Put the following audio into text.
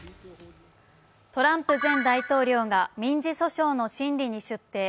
トランプ前大統領が民事訴訟の審理に出廷。